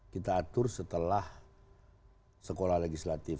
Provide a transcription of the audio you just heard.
beratur setelah sekolah legislatif